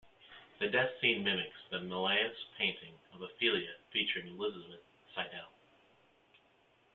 The death scene mimics the Millais painting of Ophelia featuring Elizabeth Siddal.